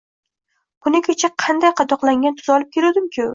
Kuni kecha qancha qadoqlangan tuz olib keluvdimku!